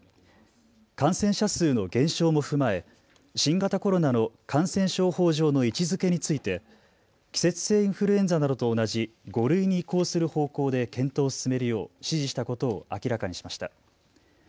感染者数の減少も踏まえ新型コロナの感染症法上の位置づけについて季節性インフルエンザなどと同じ５類に移行する方向で検討を進めるよう指示したことを明らかにしました。